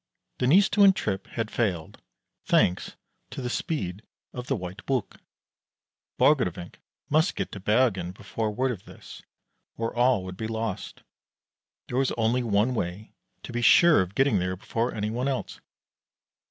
The Nystuen trip had failed, thanks to the speed of the White Buk. Borgrevinck must get to Bergen before word of this, or all would be lost. There was only one way, to be sure of getting there before any one else.